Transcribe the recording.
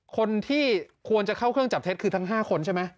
คนที่ควรจะเข้าเครื่องจับเท็จคือทั้ง๕คนใช่ไหม